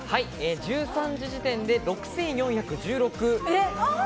１３時時点で６４１６。